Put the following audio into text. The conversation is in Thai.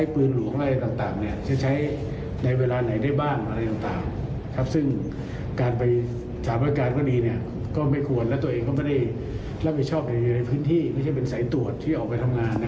ซึ่งตัวเองก็ไม่ได้รับผิดชอบในพื้นที่ไม่ใช่เป็นสายตรวจที่ออกไปทำงาน